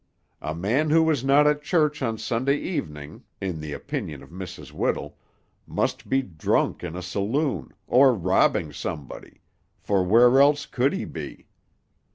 A man who was not at church on Sunday evening, in the opinion of Mrs. Whittle, must be drunk in a saloon, or robbing somebody, for where else could he be?